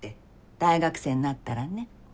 大学生になったらね。